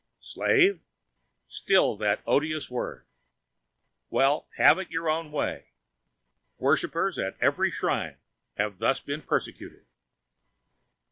Slave! Still that odious word? Well, have it your own way. Worshipers at every shrine have been thus persecuted.